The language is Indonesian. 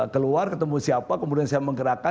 keluar ketemu siapa kemudian saya menggerakkan